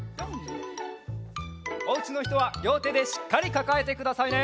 おうちのひとはりょうてでしっかりかかえてくださいね。